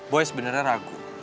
boy sebenernya ragu